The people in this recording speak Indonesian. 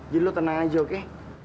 jadi lo tenang aja oke